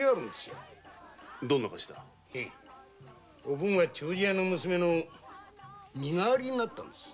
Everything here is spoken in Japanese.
おぶんは丁字屋の娘の身代わりになったんです。